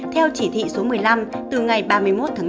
theo chỉ thị số một mươi năm từ ngày ba mươi một tháng năm